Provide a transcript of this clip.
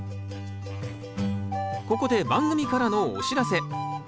ここで番組からのお知らせ。